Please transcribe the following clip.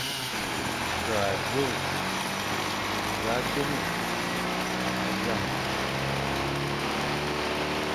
Ke azôe, nẑa zôme, nya zame,